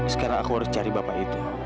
sekarang aku harus cari bapak itu